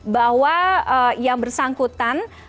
bahwa yang bersangkutan